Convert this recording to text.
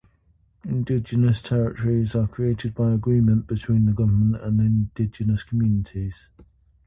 Indigenous territories are created by agreement between the government and indigenous communities.